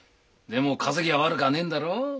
でも稼ぎは悪かねえんだろ？